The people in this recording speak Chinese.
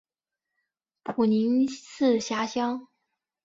普宁市辖乡。